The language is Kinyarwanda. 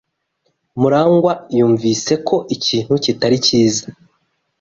Murangwa yumvise ko ikintu kitari cyiza.